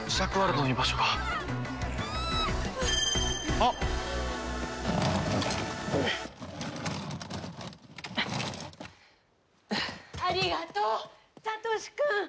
ありがとうサトシくん。